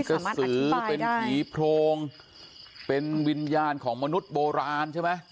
กระสือเป็นผีโพรงเป็นวิญญาณของมนุษย์โบราณใช่ไหม